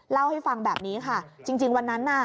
เล่าให้ฟังแบบนี้ค่ะจริงวันนั้นน่ะ